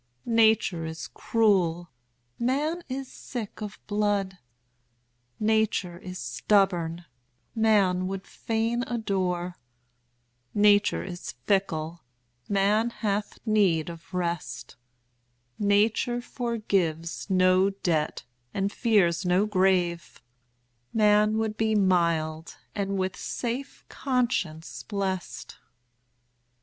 Nature is cruel, man is sick of blood; Nature is stubborn, man would fain adore; Nature is fickle, man hath need of rest; Nature forgives no debt, and fears no grave; Man would be mild, and with safe conscience blest.